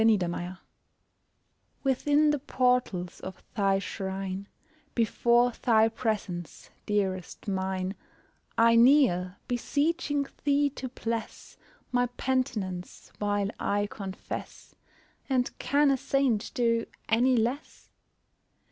CONFESSION Within the portals of thy shrine Before thy presence, dearest mine, I kneel, beseeching thee to bless My penitence, while I confess, And can a saint do any less?